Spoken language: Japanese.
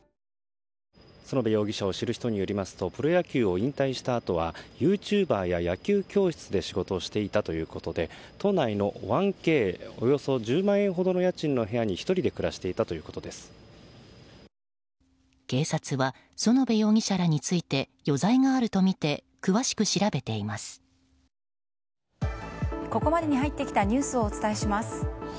園部容疑者を知る人によりますとプロ野球を引退したあとはユーチューバーや野球教室で仕事をしていたということで都内の１Ｋおよそ１０万円ほどの家賃の部屋に１人で警察は園部容疑者らについて余罪があるとみてここまでに入ってきたニュースをお伝えします。